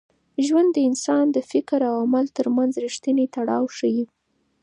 ژوند د انسان د فکر او عمل تر منځ رښتینی تړاو ښيي.